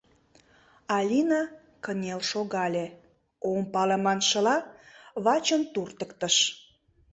Алина кынел шогале, «Ом пале» маншыла, вачым туртыктыш.